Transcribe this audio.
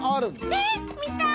えっ？みたい！